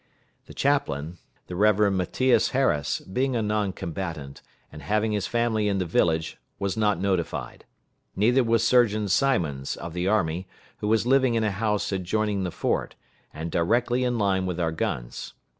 The chaplain, the Rev. Matthias Harris, being a non combatant, and having his family in the village, was not notified. Neither was Surgeon Simons, of the army, who was living in a house adjoining the fort, and directly in line with our guns.